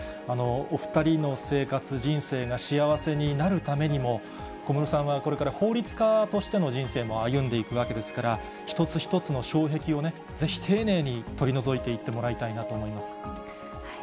お２人の生活、人生が幸せになるためにも、小室さんはこれから、法律家としての人生も歩んでいくわけですから、一つ一つの障壁をね、ぜひ丁寧に取り除いていってもらいたいなと思います。